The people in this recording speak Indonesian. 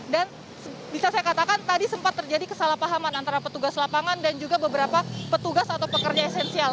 dan bisa saya katakan tadi sempat terjadi kesalahpahaman antara petugas lapangan dan juga beberapa petugas atau pekerja esensial